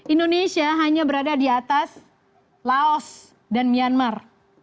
indonesia hanya berada di atas laos dan myanmar